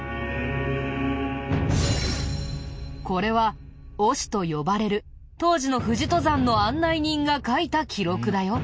これは御師と呼ばれる当時の富士登山の案内人が書いた記録だよ。